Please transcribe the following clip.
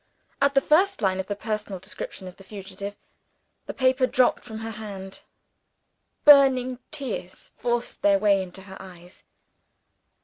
At the first line of the personal description of the fugitive, the paper dropped from her hand. Burning tears forced their way into her eyes.